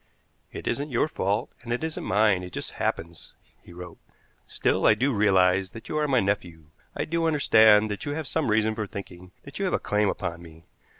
"It isn't your fault, and it isn't mine. It just happens," he wrote. "Still, I do realize that you are my nephew, I do understand that you have some reason for thinking that you have a claim upon me.